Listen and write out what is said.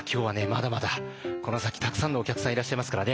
まだまだこの先たくさんのお客さんいらっしゃいますからね。